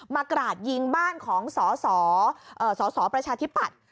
มากราดยิงบ้านของสอสอสอสอประชาธิปัตย์